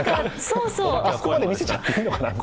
あそこまで見せちゃっていいのかな。